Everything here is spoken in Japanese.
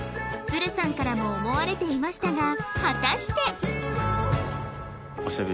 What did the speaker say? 鶴さんからも思われていましたが果たして